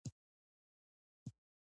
د ښکلا نغمې به کرکجن مخونه ومينځي